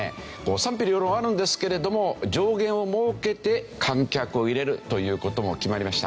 賛否両論あるんですけれども上限を設けて観客を入れるという事も決まりました。